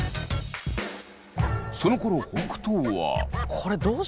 そのころ北斗は。